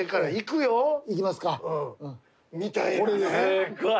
すっごい！